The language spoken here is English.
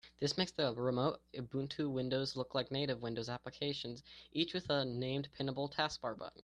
This makes the remote Ubuntu windows look like native Windows applications, each with a named pinnable taskbar button.